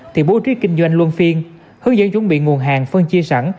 thì bố trí kinh doanh luân phiên hướng dẫn chuẩn bị nguồn hàng phân chia sẵn